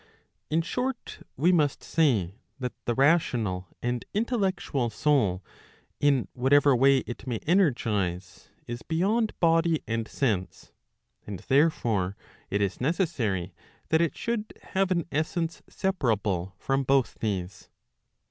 In short, we must say that the rational and intellectual soul in whatever way it may energize, is beyond body and sense; and therefore it is necessary that it should have an essence separable from both these.